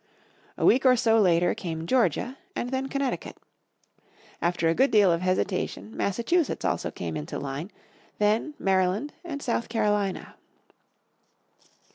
A week or so later came Georgia and then Connecticut. After a good deal of hesitation Massachusetts also came into line; then Maryland and South Carolina.